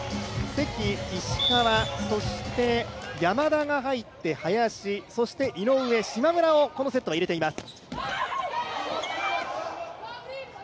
関、石川、そして山田が入って林、井上、島村をこのセットは入れています。